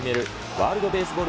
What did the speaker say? ワールドベースボール